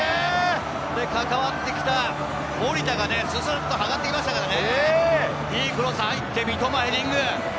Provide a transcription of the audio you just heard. かかわってきた守田がね、ススっと上がって来ましたからね。